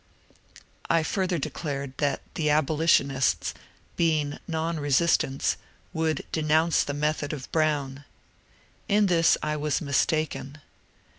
" I further declared that the abolitionists, being non resist ants, would " denounce the method " of Brown. In this I was mistaken.